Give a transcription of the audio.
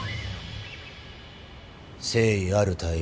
誠意ある対応